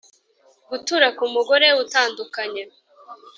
gutura ku mugore utandukanye;